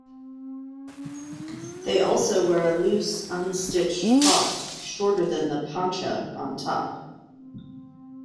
They also wear a loose, unstitched cloth, shorter than the "pancha", on top.